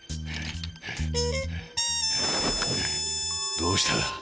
どうした？